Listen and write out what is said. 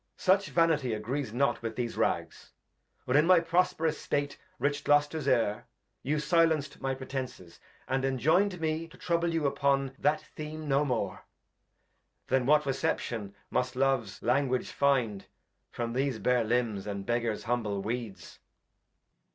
Such Vanity agrees not with these Rags ; When in my prosp'rous State, rich Gloster's Heir, You silenc'd my Pretences, and enjoyn'd me ^^^,^ To trouble you upon that Theam no more ;'^*^'' Then what Reception must Loves Language find ^'''^■ From these bare Limbs and Beggar's humble Weeds?